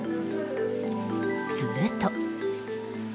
すると。